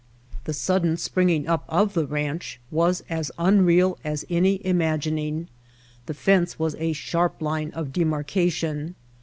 The sudden springing up ["7] White Heart of Mojave of the ranch was as unreal as any imagining. The fence was a sharp line of demarcation.